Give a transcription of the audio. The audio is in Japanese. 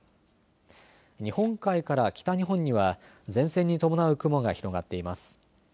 日本海から北日本には前線に伴う雲が広がっています。